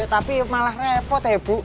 tapi malah repot bu